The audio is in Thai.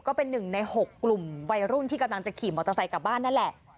ก็เป็นหนึ่งใน๖กลุ่มวัยรุ่นที่กำลังจะขี่มอเตอร์ไซค์กลับบ้านนั่นแหละ